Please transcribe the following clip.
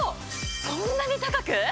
そんなに高く？